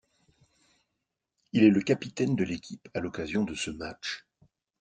Il est le capitaine de l'équipe à l'occasion de ce match.